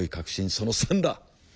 その３だ。